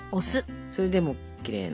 それでもうきれいな。